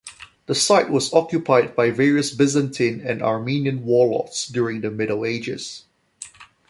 The site was occupied by various Byzantine and Armenian warlords during the Middle Ages.